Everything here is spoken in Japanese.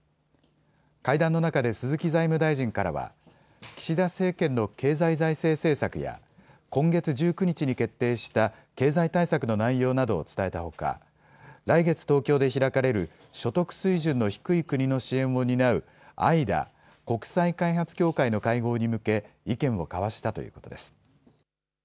会談の中で鈴木財務大臣からは岸田政権の経済財政政策や今月１９日に決定した経済対策の内容などを伝えたほか来月、東京で開かれる所得水準の低い国の支援を担うＩＤＡ・国際開発協会の会合に向け意見を交わしたということです。